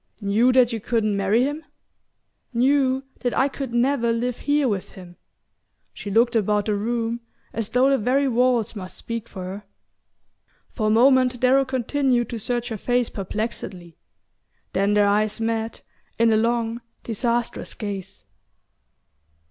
"Knew that you couldn't marry him?" "Knew that I could never live here with him." She looked about the room, as though the very walls must speak for her. For a moment Darrow continued to search her face perplexedly; then their eyes met in a long disastrous gaze.